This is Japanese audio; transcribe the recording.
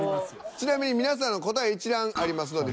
ちなみに皆さんの答え一覧ありますので。